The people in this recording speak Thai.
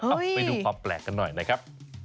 เอาไปดูความแปลกกันหน่อยนะครับ